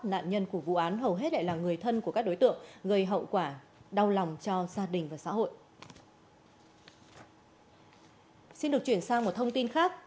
nạn nhân của vụ án hầu hết lại là người thân của các đối tượng gây hậu quả đau lòng cho gia đình và xã hội